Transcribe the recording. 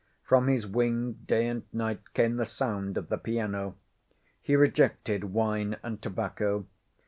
From his wing day and night came the sound of the piano. He rejected wine and tobacco.